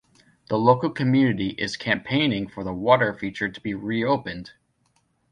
The local community is campaigning for the water feature to be reopened.